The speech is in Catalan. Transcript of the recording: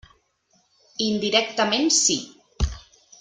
Indirectament sí.